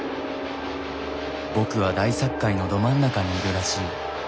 僕は大殺界のど真ん中にいるらしい。